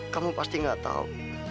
kamu pasti nggak tahu